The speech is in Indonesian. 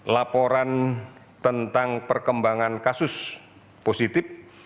laporan tentang perkembangan kasus positif